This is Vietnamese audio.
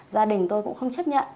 gia đình tôi cũng không chấp nhận